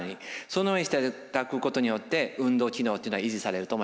そのようにしていただくことによって運動機能というのは維持されると思います。